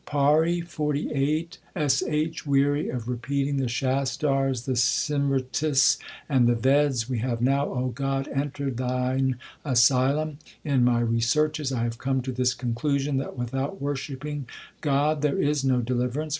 PAURI XLVIII S H. Weary of repeating the Shastars, the Simritis, and the Veds, We have now, God, entered Thine asylum. In my researches I have come to this conclusion, That without worshipping God there is no deliverance.